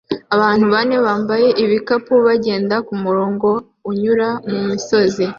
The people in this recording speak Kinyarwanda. Abantu bane bambaye ibikapu bagenda kumurongo unyura mumisozi